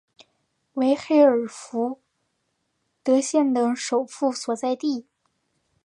为黑尔福德县的首府所在地。